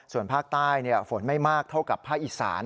ส่วนภาคใต้ฝนไม่มากเท่ากับภาคอีสาน